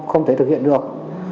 không thể thực hiện được